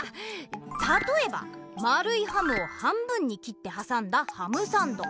たとえばまるいハムを半分に切ってはさんだハムサンド。